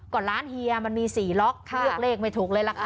ก็ร้านเฮียมันมี๔ล็อกเลือกเลขไม่ถูกเลยล่ะค่ะ